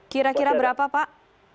kira kira berapa pak